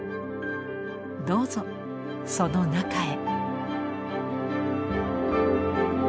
どうぞその中へ。